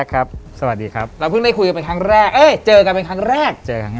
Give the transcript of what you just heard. ครับสวัสดีครับเค้าเพิ่งได้คุยกันแรกเจอกันหลังแรกเจออย่าง